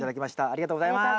ありがとうございます。